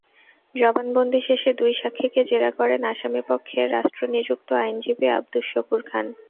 জবানবন্দি শেষে দুই সাক্ষীকে জেরা করেন আসামিপক্ষে রাষ্ট্রনিযুক্ত আইনজীবী আবদুস শুকুর খান।